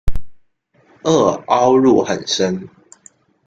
萼凹入很深。